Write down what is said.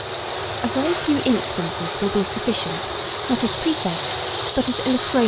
] A very few instances will be sufficient, not as precepts, but as illustrations.